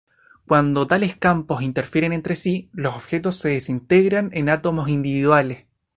Cuando tales campos interfieren entre sí, los objetos se desintegran en átomos individuales.